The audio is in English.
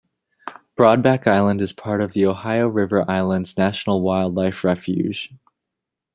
Broadback Island is a part of the Ohio River Islands National Wildlife Refuge.